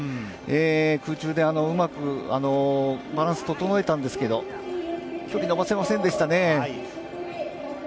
空中でうまくバランス整えたんですけど距離を延ばせませんでしたね